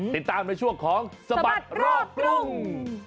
ติดตามในช่วงของสบัดรอบกรุง